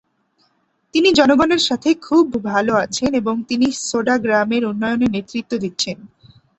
তিনি জনগণের সাথে খুব ভাল আছেন এবং তিনি সোডা গ্রামের উন্নয়নে নেতৃত্ব দিচ্ছেন।